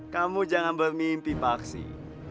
kamu jangan bermimpi vaksin